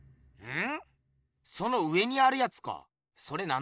ん？